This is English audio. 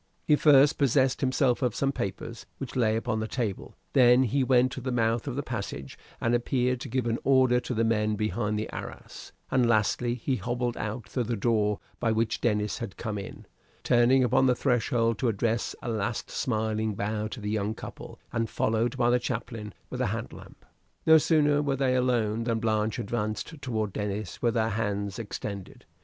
He first possessed himself of some papers which lay upon the table; then he went to the mouth of the passage and appeared to give an order to the men behind the arras; and lastly he hobbled out through the door by which Denis had come in, turning upon the threshold to address a last smiling bow to the young couple, and followed by the chaplain with a hand lamp. No sooner were they alone than Blanche advanced toward Denis with her hands extended.